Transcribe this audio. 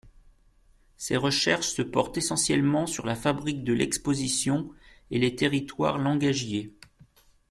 Ses recherches se portent essentiellement sur la fabrique de l’exposition et les territoires langagiers.